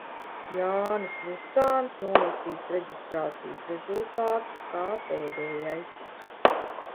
Jānis Vucāns nolasīs reģistrācijas rezultātus kā pēdējais.